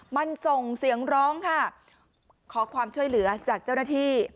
มันส่งเสียงร้องค่ะขอความช่วยเหลือจากเจ้าหน้าที่